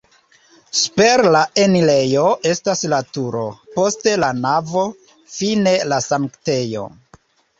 Super la enirejo estas la turo, poste la navo, fine la sanktejo.